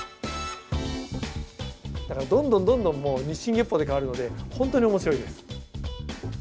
だからどんどんどんどん日進月歩で変わるのでほんとに面白いです。